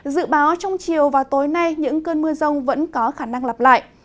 dự báo trong chiều và tối nay những cơn mưa rông vẫn có khả năng lặp lại